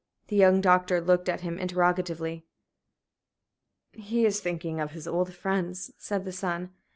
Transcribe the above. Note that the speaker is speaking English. The young doctor looked at him interrogatively. "He is thinking of his old friends," said the son.